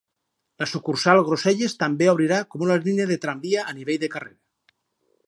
La sucursal Gosselies també obrirà com una línia de tramvia a nivell de carrer.